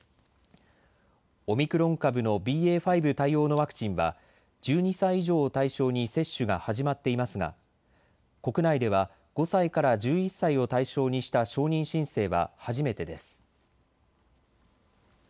オミクロン株のＢＡ．５対応のワクチンは１２歳以上を対象に接種が始まっていますが国内では５歳から１１歳を対象にした承認申請は初めてです。